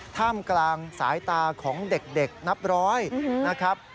ท่ามกลางสายตาของเด็กนับร้อยนะครับ